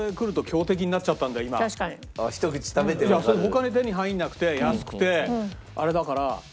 他で手に入らなくて安くてあれだから。